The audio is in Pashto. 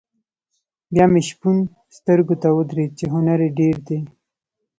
بیا مې شپون سترګو ته ودرېد چې هنر یې ډېر دی.